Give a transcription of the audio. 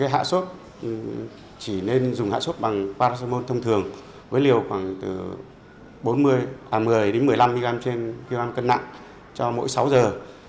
hạ sốt chỉ nên dùng hạ sốt bằng paracetamol thông thường với liều khoảng từ một mươi một mươi năm g trên kg cân nặng cho mỗi sáu giờ